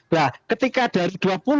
nah ketika dari dua puluh